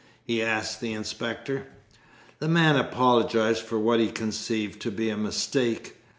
he asked the inspector. The man apologised for what he conceived to be a mistake.